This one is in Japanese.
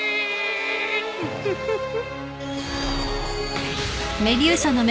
フフフフ。